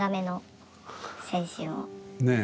ねえ。